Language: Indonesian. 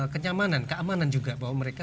kenyamanan keamanan juga bahwa mereka